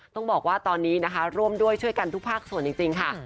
ต้องบอกว่าตอนนี้นะคะร่วมด้วยช่วยกันทุกภาคส่วนจริงค่ะ